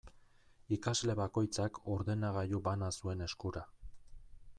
Ikasle bakoitzak ordenagailu bana zuen eskura.